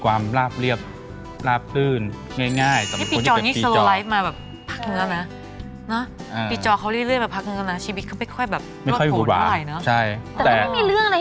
แต่ก็ไม่มีเรื่องอะไรที่โผล่หัวมากมายไหม